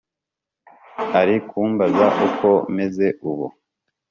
ari kumbaza uko meze ubu